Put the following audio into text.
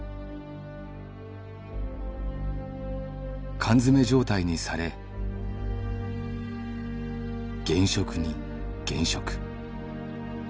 「缶詰め状態にされ減食に減食」